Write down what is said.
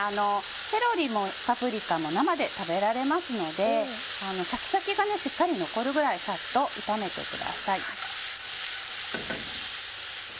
セロリもパプリカも生で食べられますのでシャキシャキがしっかり残るぐらいサッと炒めてください。